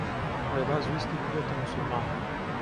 ڕێباز ویستی ببێتە موسڵمان.